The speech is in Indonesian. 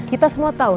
kita semua tau